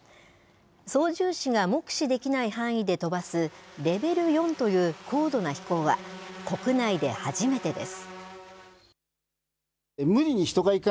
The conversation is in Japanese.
操縦士が目視できない範囲で飛ばすレベル４という高度な飛行は、国内で初めてです。